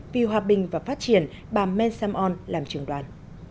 vì hòa bình và phát triển bà men samon làm trường đoàn